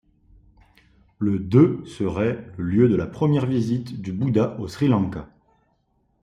Le de serait le lieu de la première visite du Bouddha au Sri Lanka.